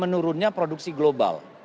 menurunnya produksi global